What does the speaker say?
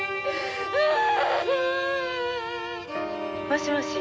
「もしもし？